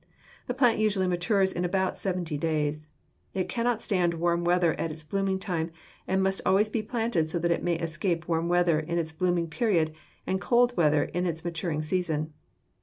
The plant usually matures in about seventy days. It cannot stand warm weather at blooming time, and must always be planted so that it may escape warm weather in its blooming period and cold weather in its maturing season.